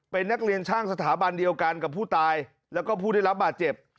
เป็นนักเรียนช่างสถาบันเดียวกันกับผู้ตายแล้วก็ผู้ได้รับบาดเจ็บ